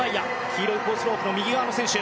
黄色いコースロープの隣の選手。